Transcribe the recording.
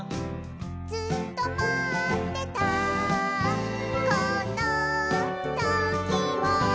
「ずっとまってたこのときを」